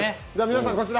皆さん、こちら＃